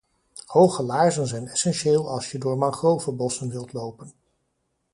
Hoge laarzen zijn essentieel als je door mangrovebossen wilt lopen.